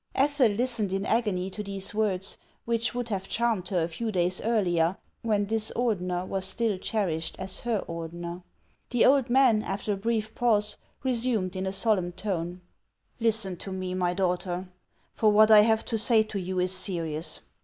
Ethel listened in agony to these words, which would have charmed her a few days earlier, when this Ordener was still cherished as her Ordener. The old man, after a brief pause, resumed in a solemn tone :" Listen to me, my daughter; for what I have to say to you is serious.